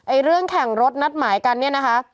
เรื่องแข่งรถนัดหมายกันเนี่ยนะคะ